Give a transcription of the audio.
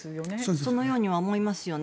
そのようには思いますよね。